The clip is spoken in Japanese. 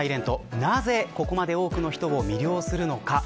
なぜ、ここまで多くの人を魅了するのか。